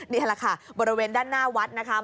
นี่แหละค่ะบริเวณด้านหน้าวัดนะคะ